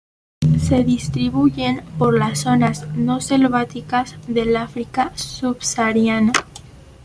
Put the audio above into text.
Se distribuyen por las zonas no selváticas del África subsahariana.